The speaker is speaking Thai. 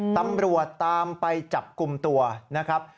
ตำรวจตามไปจับกลุ่มตัวนะครับ